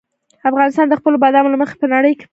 افغانستان د خپلو بادامو له مخې په نړۍ کې پېژندل کېږي.